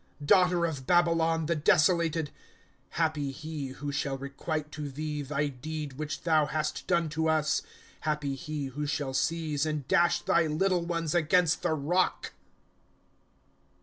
^ Daughter of Babylon, the desolated ! Happy he who shall requite to thee, Thy deed which thou hast done to us. * Happy he who shall seize, And dash thy little ones against the rock.